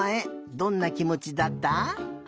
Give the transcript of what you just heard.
どんなきもちだった？